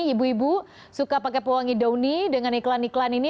ibu ibu suka pakai pewangi dauni dengan iklan iklan ini